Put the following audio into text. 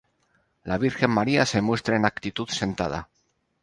La Virgen María se muestra en actitud sentada.